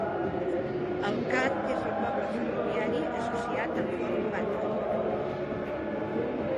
Elkhart és el "poble ferroviari" associat amb Fort Parker.